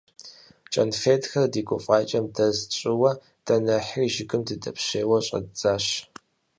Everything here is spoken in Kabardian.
КӀэнфетхэр ди гуфӀакӀэм дэз тщӀыурэ, дэ нэхъри жыгым дыдэпщейуэ щӀэддзащ.